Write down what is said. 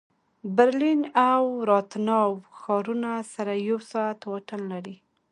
برلین او راتناو ښارونه سره یو ساعت واټن لري